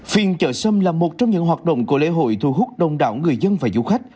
phiên chợ sâm là một trong những hoạt động của lễ hội thu hút đông đảo người dân và du khách